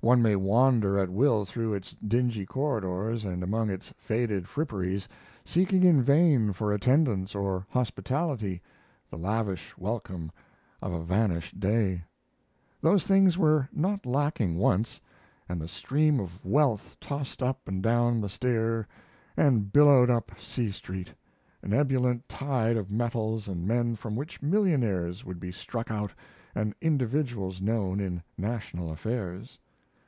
One may wander at will through its dingy corridors and among its faded fripperies, seeking in vain for attendance or hospitality, the lavish welcome of a vanished day. Those things were not lacking once, and the stream of wealth tossed up and down the stair and billowed up C Street, an ebullient tide of metals and men from which millionaires would be struck out, and individuals known in national affairs.